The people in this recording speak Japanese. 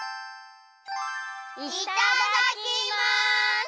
いただきます！